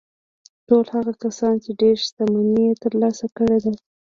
ټول هغه کسان چې ډېره شتمني يې ترلاسه کړې ده.